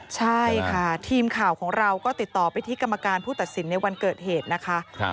ใช่ค่ะทีมข่าวของเราก็ติดต่อไปที่กรรมการผู้ตัดสินในวันเกิดเหตุนะคะ